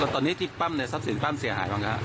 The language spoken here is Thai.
ตอนนี้ที่ปั้มเนี่ยทรัพย์สินปั้มเสียหายบ้างครับ